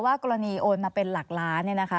ว่ากรณีโอนมาเป็นหลักล้านนะคะ